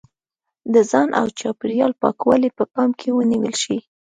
د ځان او چاپېریال پاکوالی په پام کې ونیول شي.